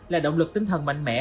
là động lực tinh thần mạnh mẽ